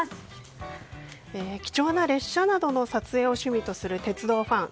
貴重な列車などの撮影を趣味とする鉄道ファン